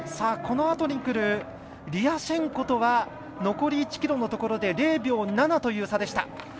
このあとにくるリアシェンコとは残り１ｋｍのところで０秒７という差でした。